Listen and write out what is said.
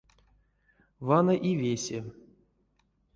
Вана и весе.